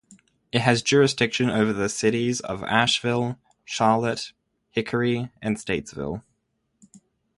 It has jurisdiction over the cities of Asheville, Charlotte, Hickory, and Statesville.